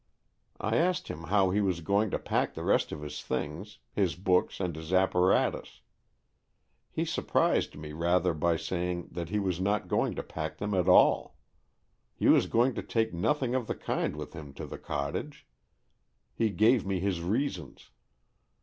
I asked him how he was going to pack the rest of his things, his books and his apparatus. He surprised me rather by saying that he was not going to pack them at all. He was going to take nothing of the kind with him to the cottage. He gave me his reasons.